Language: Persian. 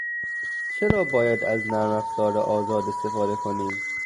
چرا باید از نرمافزار آزاد استفاده کنیم؟